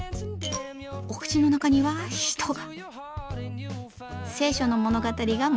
お口の中には人が。